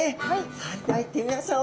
それでは行ってみましょう。